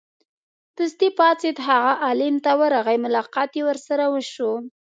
دستې پاڅېد هغه عالم ت ورغی ملاقات یې ورسره وشو.